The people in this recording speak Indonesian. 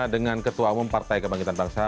dengan ketua umum partai kebangkitan bangsa